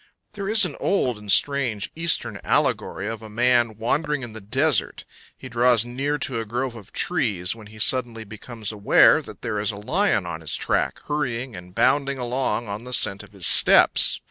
There is an old and strange Eastern allegory of a man wandering in the desert; he draws near to a grove of trees, when he suddenly becomes aware that there is a lion on his track, hurrying and bounding along on the scent of his steps.